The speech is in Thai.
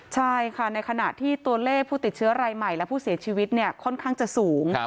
ใช่ค่ะในขณะที่ตัวเลขผู้ติดเชื้อรายใหม่และผู้เสียชีวิตค่อนข้างจะสูง